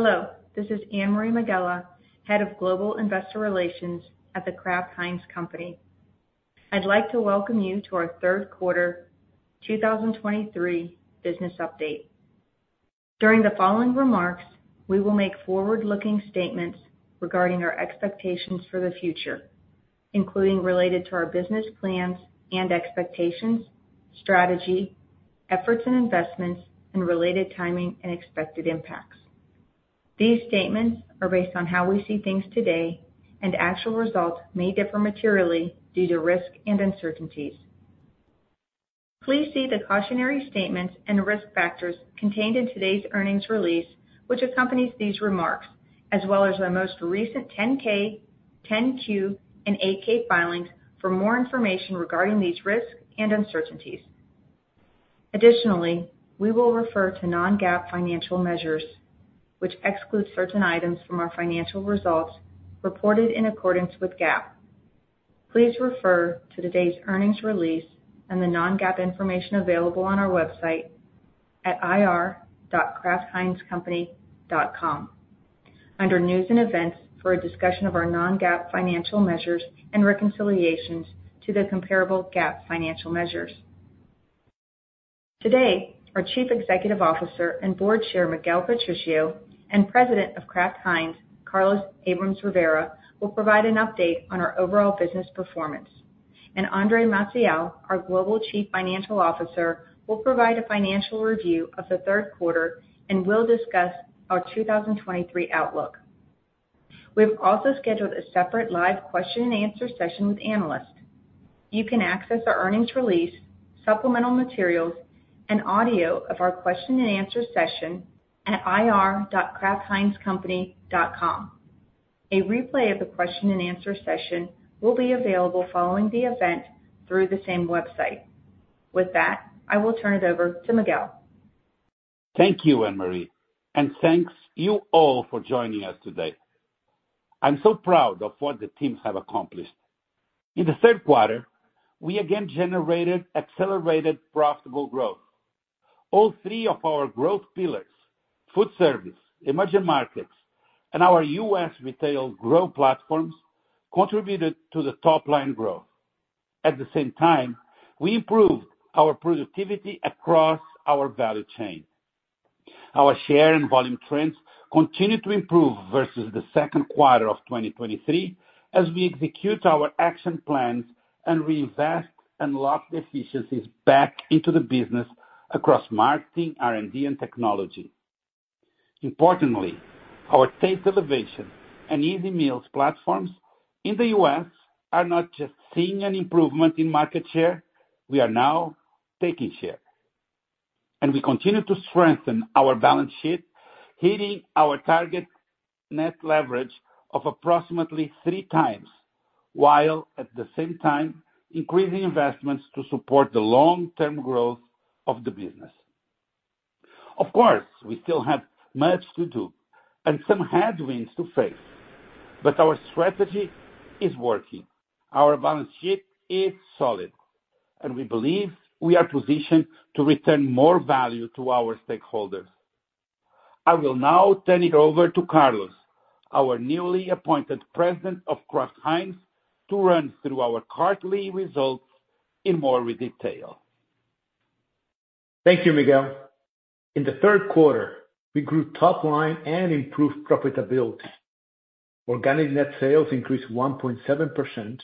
Hello, this is Anne-Marie Megela, Head of Global Investor Relations at The Kraft Heinz Company. I'd like to welcome you to our third quarter 2023 business update. During the following remarks, we will make forward-looking statements regarding our expectations for the future, including related to our business plans and expectations, strategy, efforts and investments, and related timing and expected impacts. These statements are based on how we see things today, and actual results may differ materially due to risk and uncertainties. Please see the cautionary statements and risk factors contained in today's earnings release, which accompanies these remarks, as well as our most recent 10-K, 10-Q, and 8-K filings for more information regarding these risks and uncertainties. Additionally, we will refer to non-GAAP financial measures, which exclude certain items from our financial results reported in accordance with GAAP. Please refer to today's earnings release and the non-GAAP information available on our website at ir.kraftheinzcompany.com under News & Events for a discussion of our non-GAAP financial measures and reconciliations to the comparable GAAP financial measures. Today, our Chief Executive Officer and Board Chair, Miguel Patricio, and President of Kraft Heinz, Carlos Abrams-Rivera, will provide an update on our overall business performance. Andre Maciel, our Global Chief Financial Officer, will provide a financial review of the third quarter and will discuss our 2023 outlook. We have also scheduled a separate live question-and-answer session with analysts. You can access our earnings release, supplemental materials, and audio of our question-and-answer session at ir.kraftheinzcompany.com. A replay of the question-and-answer session will be available following the event through the same website. With that, I will turn it over to Miguel. Thank you, Anne-Marie, and thank you all for joining us today. I'm so proud of what the teams have accomplished. In the third quarter, we again generated accelerated, profitable growth. All three of our growth pillars, food service, emerging markets, and our U.S. retail growth platforms, contributed to the top-line growth. At the same time, we improved our productivity across our value chain. Our share and volume trends continued to improve versus the second quarter of 2023 as we execute our action plans and reinvest and lock in the efficiencies back into the business across marketing, R&D, and technology. Importantly, our Taste Elevation and Easy Meals platforms in the U.S. are not just seeing an improvement in market share, we are now taking share. We continue to strengthen our balance sheet, hitting our target net leverage of approximately 3x, while at the same time, increasing investments to support the long-term growth of the business. Of course, we still have much to do and some headwinds to face, but our strategy is working, our balance sheet is solid, and we believe we are positioned to return more value to our stakeholders. I will now turn it over to Carlos, our newly appointed President of Kraft Heinz, to run through our quarterly results in more detail. Thank you, Miguel. In the third quarter, we grew top line and improved profitability. Organic net sales increased 1.7%,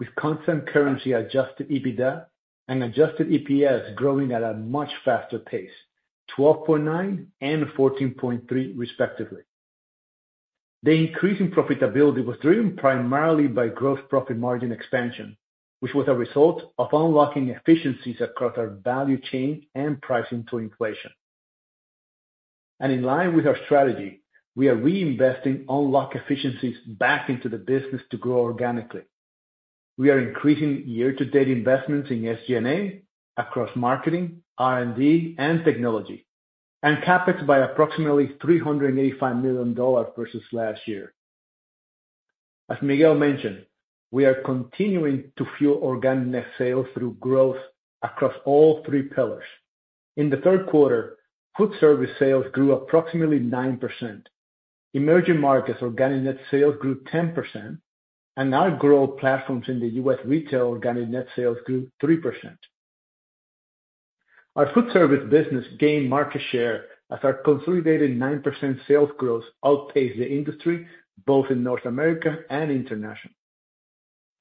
with constant currency Adjusted EBITDA and Adjusted EPS growing at a much faster pace, 12.9 and 14.3, respectively. The increase in profitability was driven primarily by gross profit margin expansion, which was a result of unlocking efficiencies across our value chain and pricing to inflation. In line with our strategy, we are reinvesting unlocked efficiencies back into the business to grow organically. We are increasing year-to-date investments in SG&A across marketing, R&D, and technology, and CapEx by approximately $385 million versus last year. As Miguel mentioned, we are continuing to fuel organic net sales through growth across all three pillars. In the third quarter, food service sales grew approximately 9%. Emerging markets organic net sales grew 10%, and our growth platforms in the U.S. retail organic net sales grew 3%. Our food service business gained market share as our consolidated 9% sales growth outpaced the industry, both in North America and international.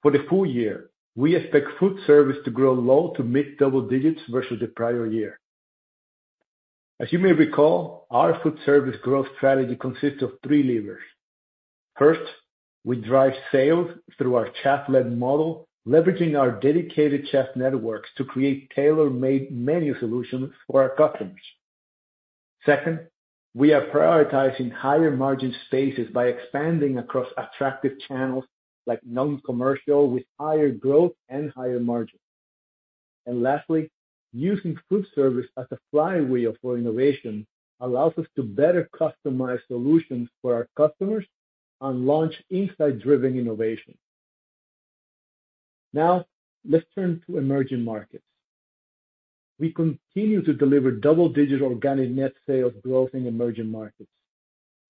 For the full year, we expect food service to grow low to mid-double digits versus the prior year. As you may recall, our food service growth strategy consists of 3 levers. First, we drive sales through our chef-led model, leveraging our dedicated chef networks to create tailor-made menu solutions for our customers. Second, we are prioritizing higher margin spaces by expanding across attractive channels, like non-commercial, with higher growth and higher margins. And lastly, using food service as a flywheel for innovation allows us to better customize solutions for our customers and launch insight-driven innovation. Now, let's turn to emerging markets. We continue to deliver double-digit organic net sales growth in emerging markets.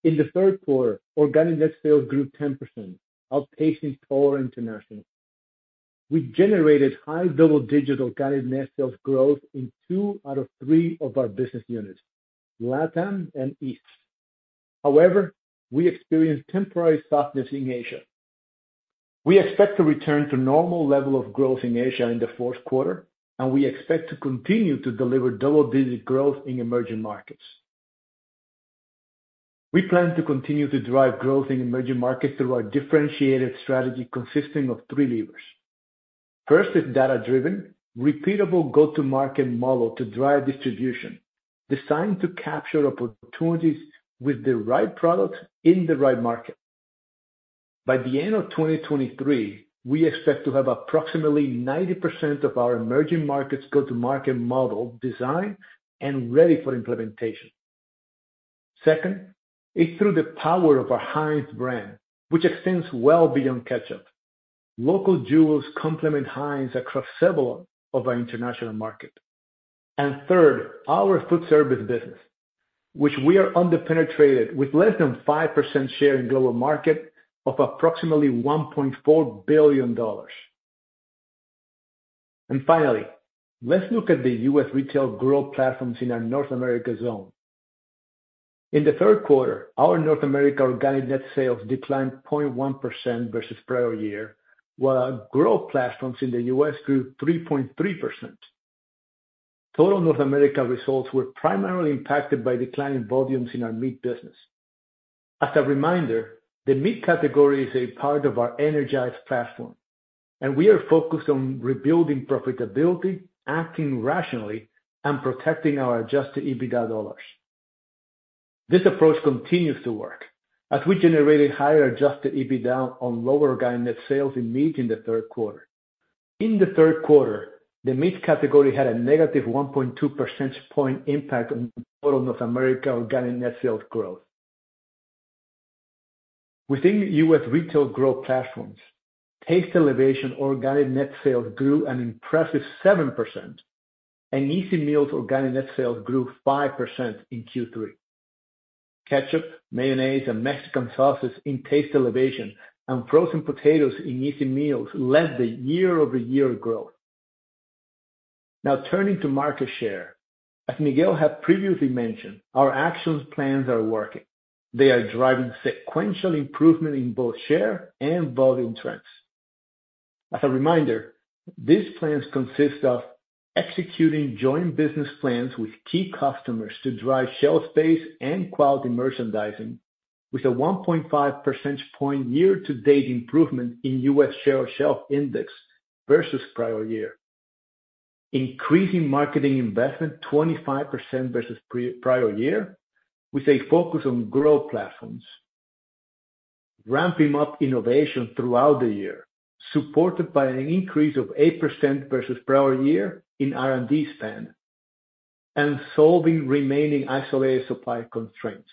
In the third quarter, organic net sales grew 10%, outpacing overall international. We generated high double-digit organic net sales growth in two out of three of our business units, LATAM and East. However, we experienced temporary softness in Asia. We expect to return to normal level of growth in Asia in the fourth quarter, and we expect to continue to deliver double-digit growth in emerging markets. We plan to continue to drive growth in emerging markets through our differentiated strategy, consisting of three levers. First is data-driven, repeatable go-to-market model to drive distribution, designed to capture opportunities with the right products in the right market. By the end of 2023, we expect to have approximately 90% of our emerging markets go-to-market model designed and ready for implementation. Second, is through the power of our Heinz brand, which extends well beyond ketchup. Local jewels complement Heinz across several of our international market. And third, our food service business, which we are under-penetrated with less than 5% share in global market of approximately $1.4 billion. And finally, let's look at the U.S. retail growth platforms in our North America zone. In the third quarter, our North America organic net sales declined 0.1% versus prior year, while our growth platforms in the U.S. grew 3.3%. Total North America results were primarily impacted by declining volumes in our meat business. As a reminder, the meat category is a part of our Energize platform, and we are focused on rebuilding profitability, acting rationally, and protecting our Adjusted EBITDA dollars. This approach continues to work, as we generated higher Adjusted EBITDA on lower Organic Net Sales in meat in the third quarter. In the third quarter, the meat category had a negative 1.2 percentage point impact on total North America Organic Net Sales growth. Within U.S. retail growth platforms, Taste Elevation Organic Net Sales grew an impressive 7%, and Easy Meals Organic Net Sales grew 5% in Q3. Ketchup, mayonnaise, and Mexican sauces in Taste Elevation and frozen potatoes in Easy Meals led the year-over-year growth. Now, turning to market share. As Miguel had previously mentioned, our action plans are working. They are driving sequential improvement in both share and volume trends. As a reminder, these plans consist of executing joint business plans with key customers to drive shelf space and quality merchandising, with a 1.5 percentage point year-to-date improvement in U.S. share of shelf index versus prior year. Increasing marketing investment 25% versus prior year, with a focus on growth platforms. Ramping up innovation throughout the year, supported by an increase of 8% versus prior year in R&D spend, and solving remaining isolated supply constraints.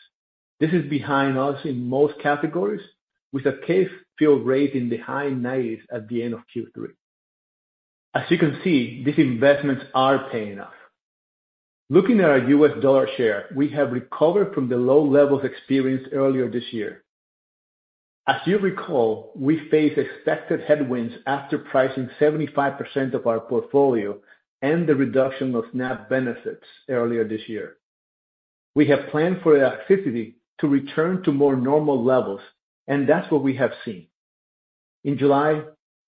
This is behind us in most categories, with a case fill rate in the high 90s at the end of Q3. As you can see, these investments are paying off. Looking at our U.S. dollar share, we have recovered from the low levels experienced earlier this year. As you recall, we faced expected headwinds after pricing 75% of our portfolio and the reduction of SNAP benefits earlier this year. We have planned for the activity to return to more normal levels, and that's what we have seen. In July,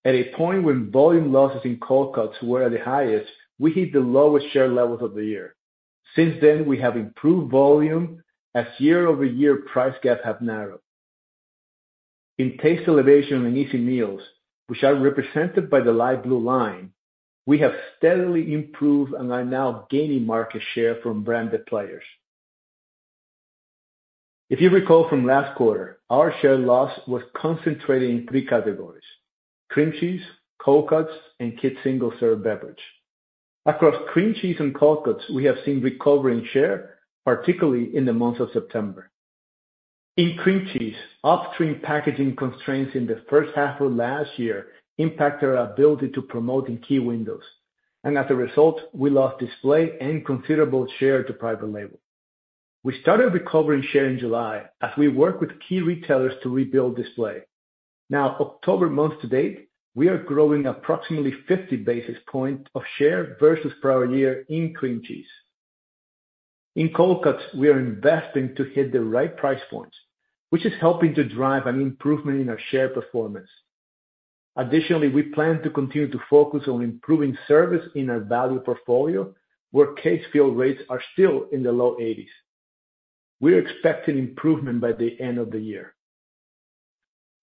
at a point when volume losses in cold cuts were at the highest, we hit the lowest share levels of the year. Since then, we have improved volume as year-over-year price gaps have narrowed. In Taste Elevation and Easy Meals, which are represented by the light blue line, we have steadily improved and are now gaining market share from branded players. If you recall from last quarter, our share loss was concentrated in three categories: cream cheese, cold cuts, and kids' single-serve beverage. Across cream cheese and cold cuts, we have seen recovery in share, particularly in the month of September. In cream cheese, upstream packaging constraints in the first half of last year impacted our ability to promote in key windows, and as a result, we lost display and considerable share to private label. We started recovering share in July as we worked with key retailers to rebuild display. Now, October month to date, we are growing approximately 50 basis points of share versus prior year in cream cheese. In cold cuts, we are investing to hit the right price points, which is helping to drive an improvement in our share performance. Additionally, we plan to continue to focus on improving service in our value portfolio, where case fill rates are still in the low 80s. We're expecting improvement by the end of the year.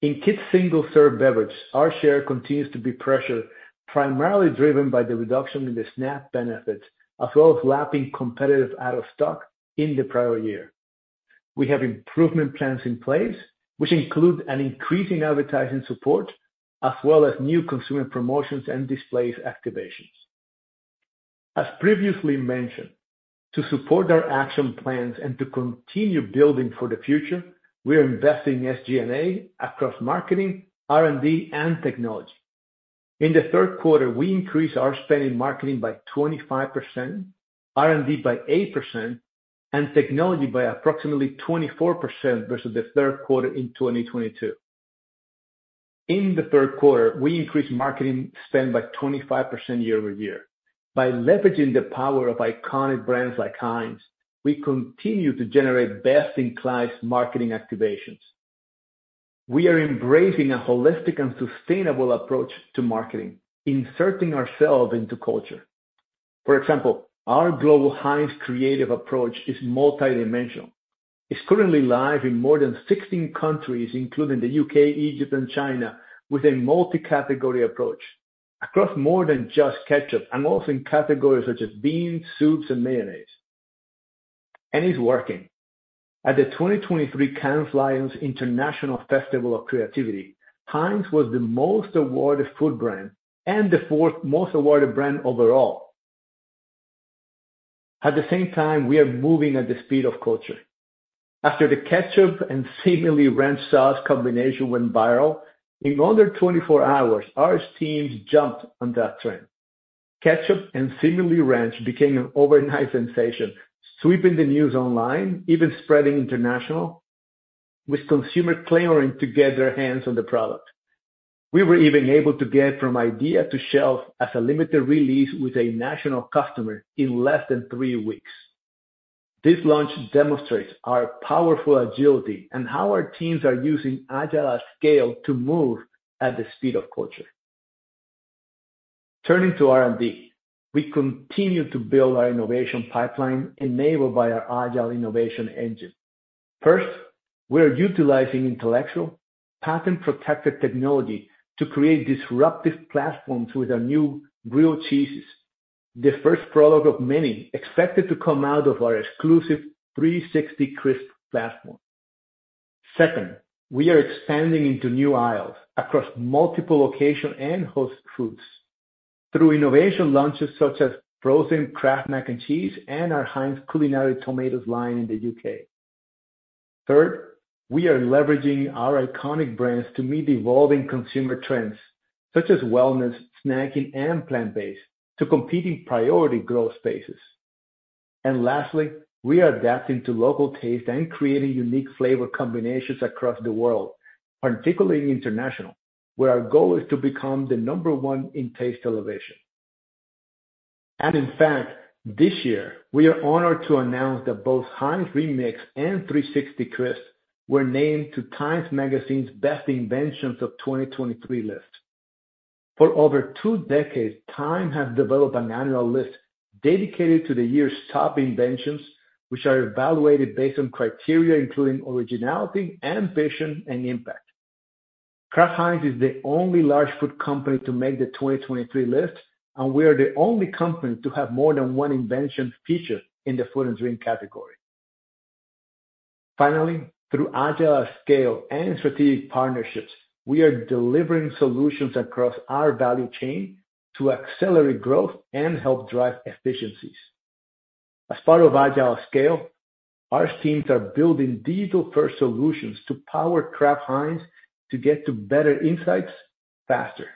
In kids' single-serve beverage, our share continues to be pressured, primarily driven by the reduction in the SNAP benefits, as well as lapping competitive out-of-stock in the prior year. We have improvement plans in place, which include an increasing advertising support, as well as new consumer promotions and displays activations. As previously mentioned, to support our action plans and to continue building for the future, we are investing in SG&A across marketing, R&D, and technology. In the third quarter, we increased our spend in marketing by 25%, R&D by 8%, and technology by approximately 24% versus the third quarter in 2022. In the third quarter, we increased marketing spend by 25% year-over-year. By leveraging the power of iconic brands like Heinz, we continue to generate best-in-class marketing activations. We are embracing a holistic and sustainable approach to marketing, inserting ourselves into culture. For example, our global Heinz creative approach is multidimensional. It's currently live in more than 16 countries, including the UK, Egypt, and China, with a multi-category approach across more than just ketchup, and also in categories such as beans, soups, and mayonnaise. It's working. At the 2023 Cannes Lions International Festival of Creativity, Heinz was the most awarded food brand and the 4th most awarded brand overall. At the same time, we are moving at the speed of culture. After the Ketchup and Seemingly Ranch sauce combination went viral, in under 24 hours, our teams jumped on that trend. Ketchup and Seemingly Ranch became an overnight sensation, sweeping the news online, even spreading internationally, with consumer clamoring to get their hands on the product. We were even able to get from idea to shelf as a limited release with a national customer in less than three weeks. This launch demonstrates our powerful agility and how our teams are using Agile at Scale to move at the speed of culture. Turning to R&D, we continue to build our innovation pipeline enabled by our agile innovation engine. First, we are utilizing intellectual, patent-protected technology to create disruptive platforms with our new grilled cheeses, the first product of many expected to come out of our exclusive 360 Crisp platform. Second, we are expanding into new aisles across multiple locations and host foods through innovation launches such as frozen Kraft Mac & Cheese and our Heinz Culinary Tomatoes line in the UK. Third, we are leveraging our iconic brands to meet evolving consumer trends such as wellness, snacking, and plant-based to compete in priority growth spaces. Lastly, we are adapting to local taste and creating unique flavor combinations across the world, particularly in international, where our goal is to become the number one in Taste Elevation. In fact, this year, we are honored to announce that both Heinz Remix and 360CRISP were named to Time Magazine's Best Inventions of 2023 list. For over two decades, Time has developed an annual list dedicated to the year's top inventions, which are evaluated based on criteria including originality, ambition, and impact. Kraft Heinz is the only large food company to make the 2023 list, and we are the only company to have more than one invention featured in the food and drink category. Finally, through Agile at Scale and strategic partnerships, we are delivering solutions across our value chain to accelerate growth and help drive efficiencies. As part of Agile at Scale, our teams are building digital-first solutions to power Kraft Heinz to get to better insights faster.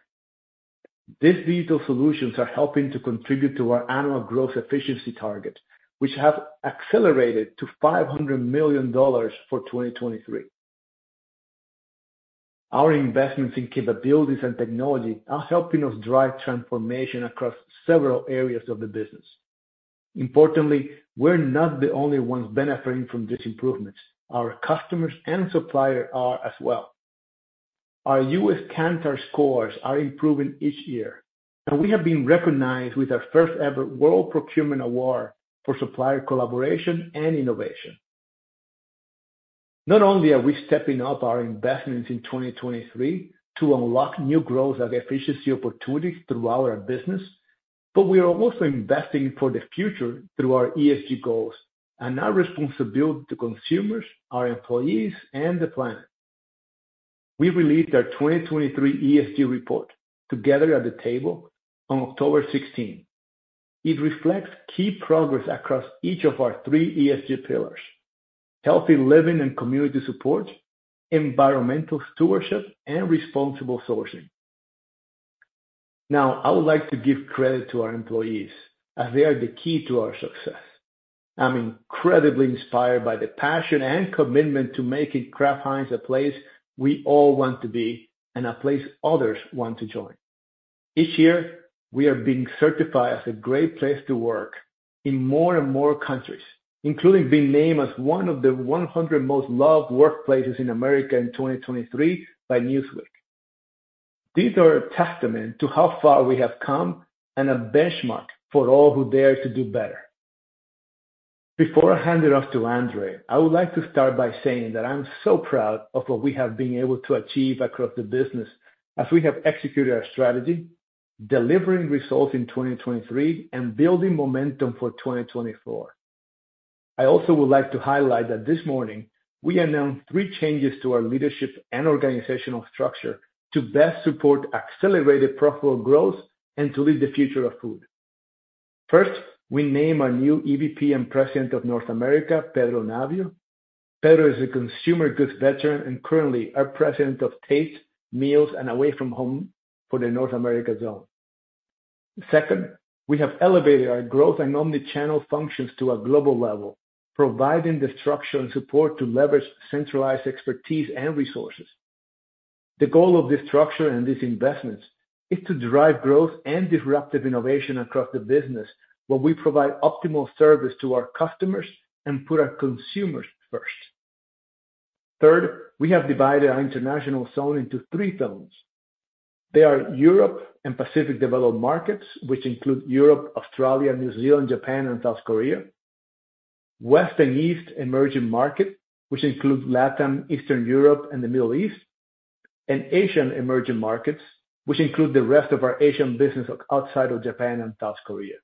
These digital solutions are helping to contribute to our annual growth efficiency target, which have accelerated to $500 million for 2023. Our investments in capabilities and technology are helping us drive transformation across several areas of the business. Importantly, we're not the only ones benefiting from these improvements. Our customers and suppliers are as well. Our U.S. Kantar scores are improving each year, and we have been recognized with our first-ever World Procurement Award for Supplier Collaboration and Innovation. Not only are we stepping up our investments in 2023 to unlock new growth and efficiency opportunities throughout our business, but we are also investing for the future through our ESG goals and our responsibility to consumers, our employees, and the planet. We released our 2023 ESG report, Together at the Table, on October 16. It reflects key progress across each of our three ESG pillars: healthy living and community support, environmental stewardship, and responsible sourcing. Now, I would like to give credit to our employees, as they are the key to our success. I'm incredibly inspired by the passion and commitment to making Kraft Heinz a place we all want to be and a place others want to join. Each year, we are being certified as a great place to work in more and more countries, including being named as one of the 100 most loved workplaces in America in 2023 by Newsweek. These are a testament to how far we have come and a benchmark for all who dare to do better. Before I hand it off to Andre, I would like to start by saying that I'm so proud of what we have been able to achieve across the business as we have executed our strategy, delivering results in 2023, and building momentum for 2024. I also would like to highlight that this morning, we announced three changes to our leadership and organizational structure to best support accelerated profitable growth and to lead the future of food. First, we name our new EVP and President of North America, Pedro Navio. Pedro is a consumer goods veteran and currently our President of Taste, Meals, and Away from Home for the North America zone. Second, we have elevated our growth and omni-channel functions to a global level, providing the structure and support to leverage centralized expertise and resources. The goal of this structure and these investments is to drive growth and disruptive innovation across the business, where we provide optimal service to our customers and put our consumers first. Third, we have divided our international zone into three zones. They are Europe and Pacific Developed Markets, which include Europe, Australia, New Zealand, Japan, and South Korea. West and East Emerging Markets, which include Latin, Eastern Europe, and the Middle East. And Asian Emerging Markets, which include the rest of our Asian business outside of Japan and South Korea.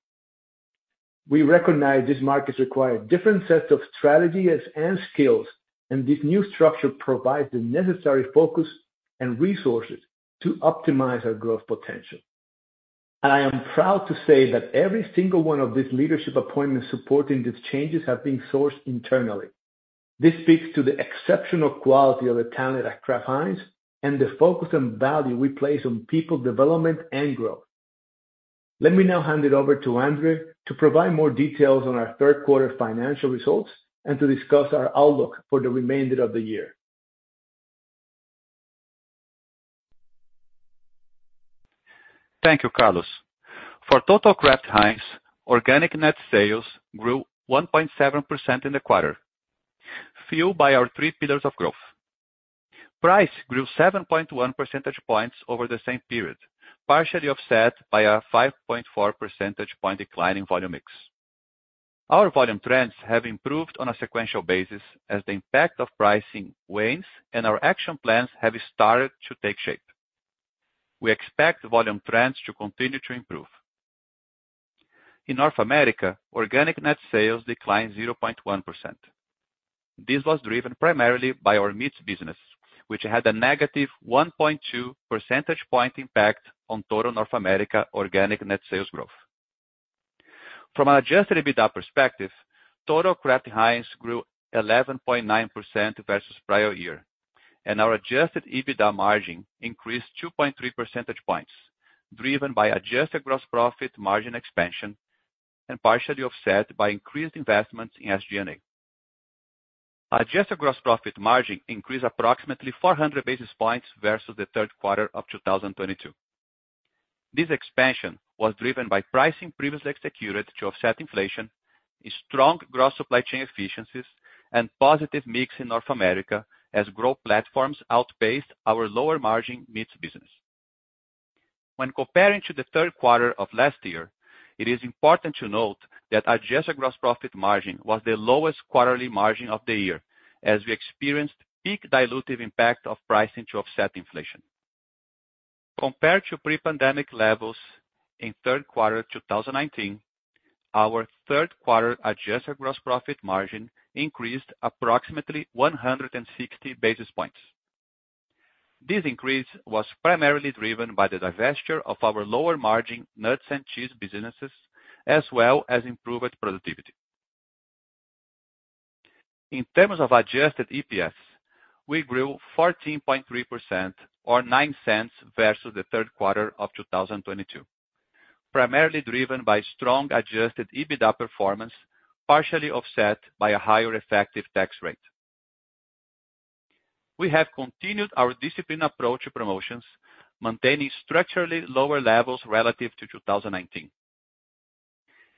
We recognize these markets require different sets of strategies and skills, and this new structure provides the necessary focus and resources to optimize our growth potential. I am proud to say that every single one of these leadership appointments supporting these changes have been sourced internally. This speaks to the exceptional quality of the talent at Kraft Heinz and the focus and value we place on people development and growth. Let me now hand it over to Andre to provide more details on our third quarter financial results and to discuss our outlook for the remainder of the year. Thank you, Carlos. For total Kraft Heinz, organic net sales grew 1.7% in the quarter, fueled by our three pillars of growth. Price grew 7.1 percentage points over the same period, partially offset by a 5.4 percentage point decline in volume mix. Our volume trends have improved on a sequential basis as the impact of pricing wanes and our action plans have started to take shape. We expect volume trends to continue to improve. In North America, organic net sales declined 0.1%. This was driven primarily by our meats business, which had a negative 1.2 percentage point impact on total North America organic net sales growth. From an Adjusted EBITDA perspective, total Kraft Heinz grew 11.9% versus prior year, and our Adjusted EBITDA margin increased 2.3 percentage points, driven by Adjusted gross profit margin expansion and partially offset by increased investments in SG&A. Adjusted gross profit margin increased approximately 400 basis points versus the third quarter of 2022. This expansion was driven by pricing previously executed to offset inflation, a strong gross supply chain efficiencies, and positive mix in North America as growth platforms outpaced our lower margin meats business. When comparing to the third quarter of last year, it is important to note that Adjusted gross profit margin was the lowest quarterly margin of the year, as we experienced peak dilutive impact of pricing to offset inflation. Compared to pre-pandemic levels in third quarter 2019, our third quarter Adjusted gross profit margin increased approximately 160 basis points. This increase was primarily driven by the divestiture of our lower margin nuts and cheese businesses, as well as improved productivity. In terms of Adjusted EPS, we grew 14.3% or $0.09 versus the third quarter of 2022, primarily driven by strong Adjusted EBITDA performance, partially offset by a higher effective tax rate. We have continued our disciplined approach to promotions, maintaining structurally lower levels relative to 2019.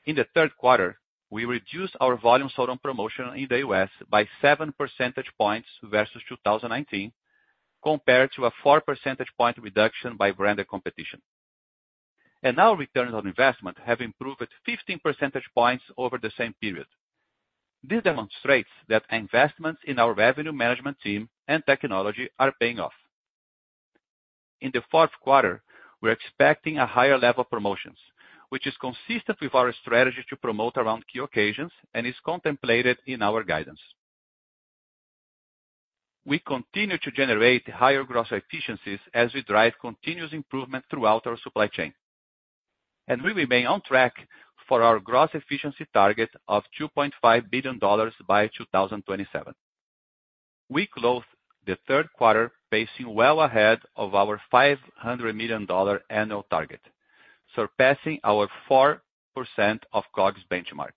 In the third quarter, we reduced our volume sold on promotion in the U.S. by 7 percentage points versus 2019, compared to a 4 percentage point reduction by branded competition. Our returns on investment have improved 15 percentage points over the same period. This demonstrates that investments in our revenue management team and technology are paying off. In the fourth quarter, we're expecting a higher level of promotions, which is consistent with our strategy to promote around key occasions and is contemplated in our guidance. We continue to generate higher gross efficiencies as we drive continuous improvement throughout our supply chain. We remain on track for our gross efficiency target of $2.5 billion by 2027. We closed the third quarter pacing well ahead of our $500 million annual target, surpassing our 4% of COGS benchmark,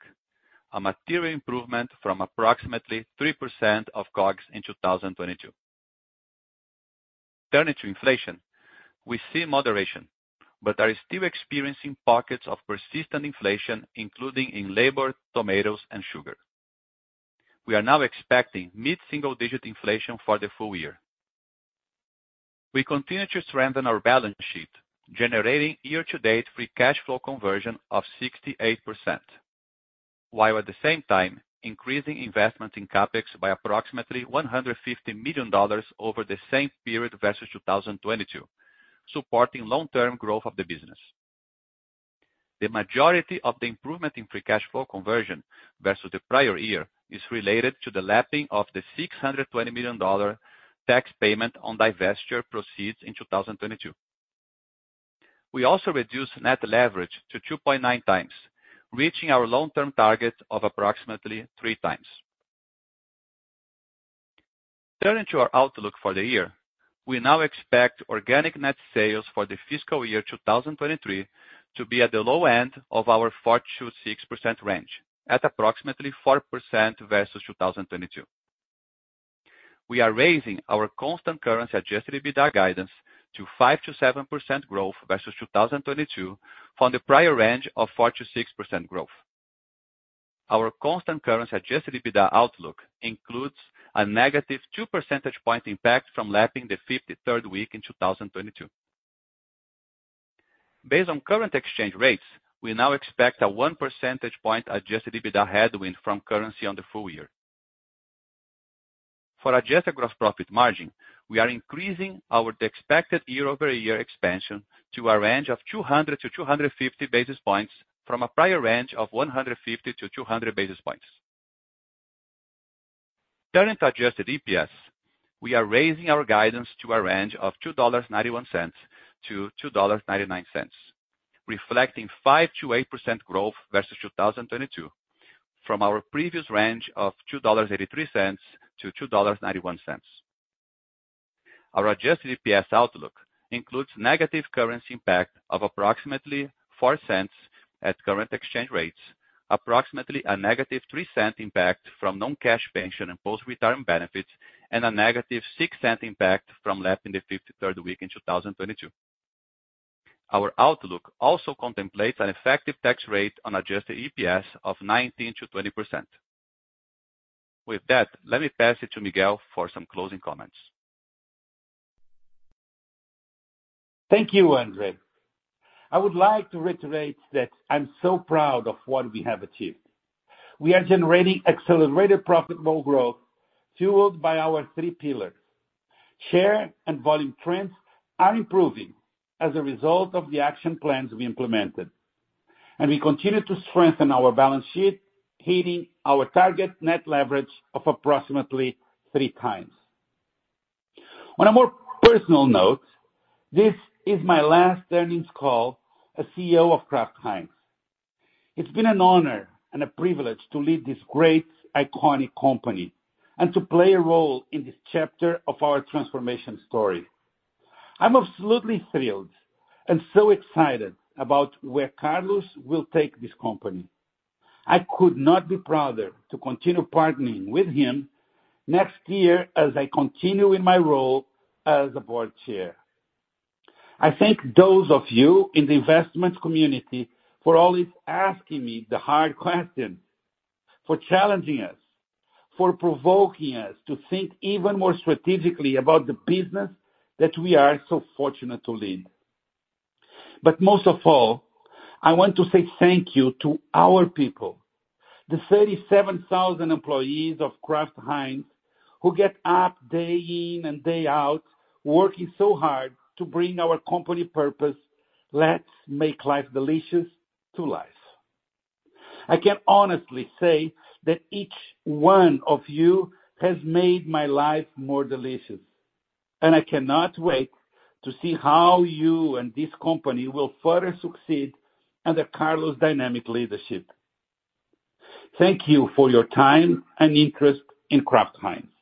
a material improvement from approximately 3% of COGS in 2022. Turning to inflation, we see moderation, but are still experiencing pockets of persistent inflation, including in labor, tomatoes, and sugar. We are now expecting mid-single-digit inflation for the full year. We continue to strengthen our balance sheet, generating year-to-date free cash flow conversion of 68%, while at the same time increasing investment in CapEx by approximately $150 million over the same period versus 2022, supporting long-term growth of the business. The majority of the improvement in free cash flow conversion versus the prior year is related to the lapping of the $620 million tax payment on divestiture proceeds in 2022. We also reduced net leverage to 2.9x, reaching our long-term target of approximately 3x. Turning to our outlook for the year, we now expect organic net sales for the fiscal year 2023 to be at the low end of our 4%-6% range, at approximately 4% versus 2022. We are raising our constant currency Adjusted EBITDA guidance to 5%-7% growth versus 2022 from the prior range of 4%-6% growth. Our constant currency Adjusted EBITDA outlook includes a negative 2 percentage point impact from lapping the 53rd week in 2022. Based on current exchange rates, we now expect a 1 percentage point Adjusted EBITDA headwind from currency on the full year. For Adjusted gross profit margin, we are increasing our expected year-over-year expansion to a range of 200-250 basis points from a prior range of 150-200 basis points. Turning to Adjusted EPS, we are raising our guidance to a range of $2.91-$2.99, reflecting 5%-8% growth versus 2022, from our previous range of $2.83-$2.91. Our Adjusted EPS outlook includes negative currency impact of approximately $0.04 at current exchange rates, approximately a negative 3-cent impact from non-cash pension and post-retirement benefits, and a negative 6-cent impact from lapping the 53rd week in 2022. Our outlook also contemplates an effective tax rate on Adjusted EPS of 19%-20%. With that, let me pass it to Miguel for some closing comments. Thank you, Andre. I would like to reiterate that I'm so proud of what we have achieved. We are generating accelerated profitable growth fueled by our three pillars. Share and volume trends are improving as a result of the action plans we implemented, and we continue to strengthen our balance sheet, hitting our target net leverage of approximately 3x. On a more personal note, this is my last earnings call as CEO of Kraft Heinz. It's been an honor and a privilege to lead this great, iconic company and to play a role in this chapter of our transformation story. I'm absolutely thrilled and so excited about where Carlos will take this company. I could not be prouder to continue partnering with him next year as I continue in my role as the board chair. I thank those of you in the investment community for always asking me the hard questions, for challenging us, for provoking us to think even more strategically about the business that we are so fortunate to lead. But most of all, I want to say thank you to our people, the 37,000 employees of Kraft Heinz, who get up day in and day out, working so hard to bring our company purpose, "Let's make life delicious," to life. I can honestly say that each one of you has made my life more delicious, and I cannot wait to see how you and this company will further succeed under Carlos' dynamic leadership. Thank you for your time and interest in Kraft Heinz.